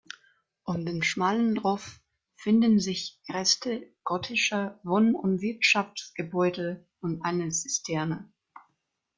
Um den schmalen Hof finden sich Reste gotischer Wohn- und Wirtschaftsgebäude und eine Zisterne.